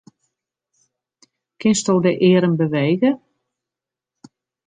Kinsto de earm bewege?